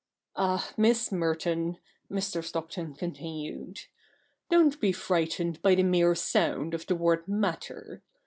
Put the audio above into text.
'Ah, Miss Merton,' Mr. Stockton continued, 'don't be frightened by the mere sound of the word matter.